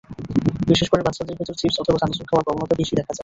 বিশেষ করে বাচ্চাদের ভেতর চিপস অথবা চানাচুর খাওয়ার প্রবণতা বেশি দেখা যায়।